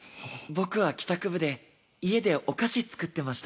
僕は帰宅部で家でお菓子作ってました。